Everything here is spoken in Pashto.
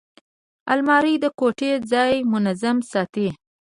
الماري د کوټې ځای منظمه ساتي